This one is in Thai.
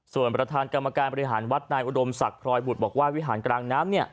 ส่วนประธานกรรมการบริหารวัดนายอุดมศักดิ์พลอยบุตรบอกว่าวิหารกลางน้ำ